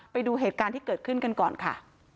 ไปดูเหตุการณ์ที่เกิดขึ้นกันก่อนค่ะ